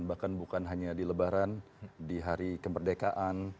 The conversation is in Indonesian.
bahkan bukan hanya di lebaran di hari kemerdekaan